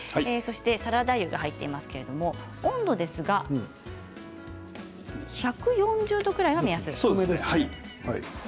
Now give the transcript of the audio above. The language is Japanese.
サラダ油が入っていますけど温度ですが１４０度くらいを目安ということですね。